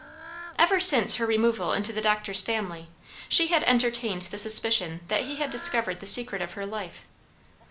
Ever since her removal into the doctor's family, she had entertained the suspicion that he had discovered the secret of her life.